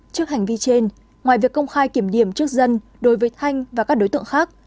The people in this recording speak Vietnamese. trước hành vi trên ngoài việc công khai kiểm điểm trước dân đối với thanh và các đối tượng khác